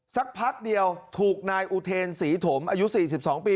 สักพักเดียวถูกนายอุเทนศรีถมอายุ๔๒ปี